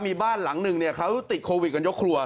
มีบ้านหลังหนึ่งเขาติดโควิดกันยกครัว